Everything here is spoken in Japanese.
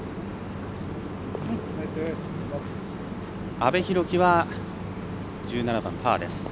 阿部裕樹は、１７番、パー。